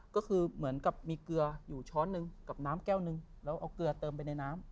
ก็คือเหมือนกับมีเกลืออยู่ช้อนหนึ่งกับน้ำแก้วนึงแล้วเอาเกลือเติมไปในน้ำ